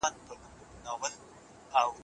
ایا رېدی په رښتیا یو تاریخي کرکټر دی؟